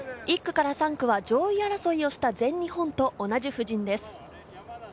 １区から３区は上位争いをした全日本と同じ布陣です。